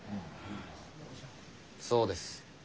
そうです。